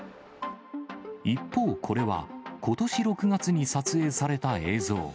一方、これはことし６月に撮影された映像。